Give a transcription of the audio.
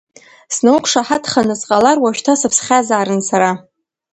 Снауқәшаҳаҭханы сҟалар, уажәшьҭа сыԥсхьазаарын сара.